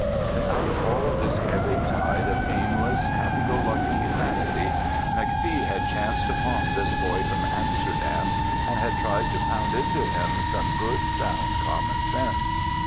And out of all this ebbing tide of aimless, happy go lucky humanity McFee had chanced upon this boy from Amsterdam and had tried to pound into him some good sound common sense.